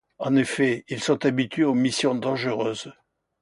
En effet, ils sont habitués aux missions dangereuses...